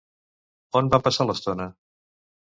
On van passar l'estona?